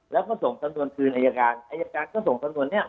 แล้วก็ส่งสำนวนคืนอายการอายการก็ส่งสำนวนนี้